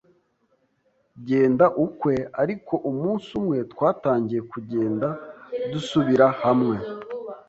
genda ukwe, ariko umunsi umwe twatangiye kugenda dusubira hamwe.